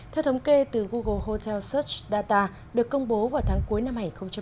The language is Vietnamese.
theo thống kê từ google hotel search data được công bố vào tháng cuối năm hai nghìn một mươi chín